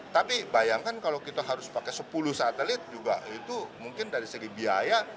tapi bayangkan kalau kita harus pakai sepuluh satelit juga itu mungkin dari segi biaya